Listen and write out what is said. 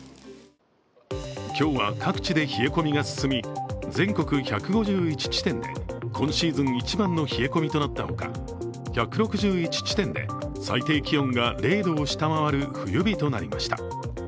今日は各地で冷え込みが進み、全国１５１地点で今シーズン一番の冷え込みとなったほか、１６１地点で最低気温が０度を下回る冬日となりました。